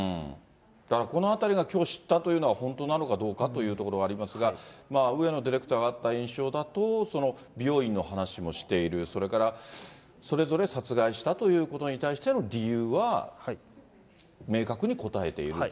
このあたりがきょう知ったというのは本当なのかどうかというところはありますが、上野ディレクターが会った印象だと、美容院の話もしている、それからそれぞれ殺害したということに対しての理由は、明確に答えている。